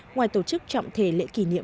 ngoài tổ chức trọng thể lễ kỷ niệm